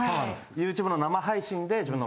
ＹｏｕＴｕｂｅの生配信で自分の。